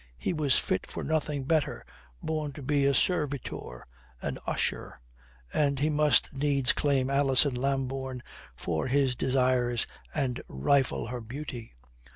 He was fit for nothing better, born to be a servitor, an usher. And he must needs claim Alison Lambourne for his desires and rifle her beauty!